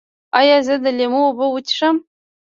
ایا زه د لیمو اوبه وڅښم؟